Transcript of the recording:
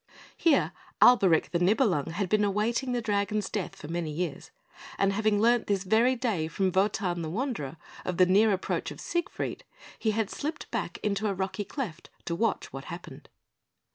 Here Alberic the Nibelung had been awaiting the dragon's death for many years; and having learnt this very day from Wotan, the Wanderer, of the near approach of Siegfried, he had slipped back into a rocky cleft to watch what happened.